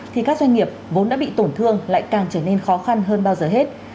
thì các doanh nghiệp vốn đã bị tổn thương lại càng trở nên khó khăn hơn bao giờ hết